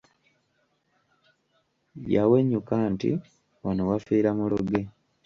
Yawenyuka nti wano wafiira muloge.